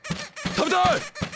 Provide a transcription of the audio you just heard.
食べたい！